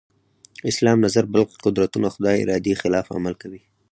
اسلام نظر بل قدرتونه خدای ارادې خلاف عمل کوي.